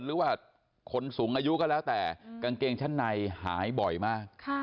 หรือว่าคนสูงอายุก็แล้วแต่กางเกงชั้นในหายบ่อยมาก